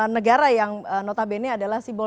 negara yang notabene adalah simbol